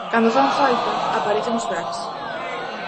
Cando fan falta, aparecen os cracks.